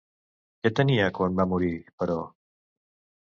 Què tenia quan va morir, però?